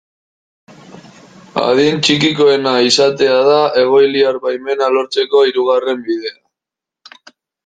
Adin txikikoena izatea da egoiliar baimena lortzeko hirugarren bidea.